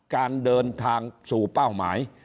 การเดินทางสู่เป้าหมาย